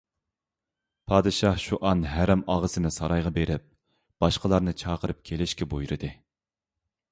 پادىشاھ شۇئان ھەرەمئاغىسىنى سارايغا بېرىپ باشقىلارنى چاقىرىپ كېلىشكە بۇيرۇدى.